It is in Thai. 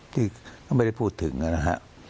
ที่ก็ไม่ได้พูดถึงนะฮะ